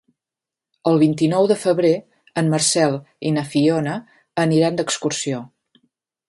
El vint-i-nou de febrer en Marcel i na Fiona aniran d'excursió.